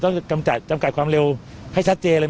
ต้องจำกัดความเร็วให้ชัดเจน